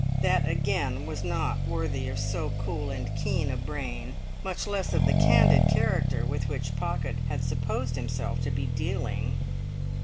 That again was not worthy of so cool and keen a brain, much less of the candid character with which Pocket had supposed himself to be dealing.